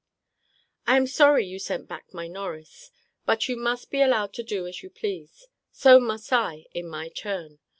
I am sorry you sent back my Norris. But you must be allowed to do as you please. So must I, in my turn.